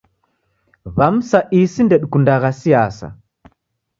W'amu sa isi ndedikundagha siasa.